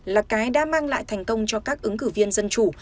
là cái đã mang lại thành công cho các ứng cử viên dân chủ